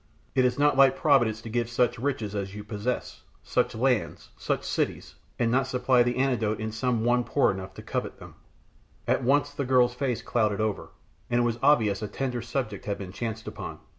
It is not like Providence to give such riches as you possess, such lands, such cities, and not to supply the antidote in some one poor enough to covet them." At once the girl's face clouded over, and it was obvious a tender subject had been chanced upon.